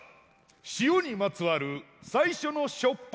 塩にまつわる最初のしょっぱ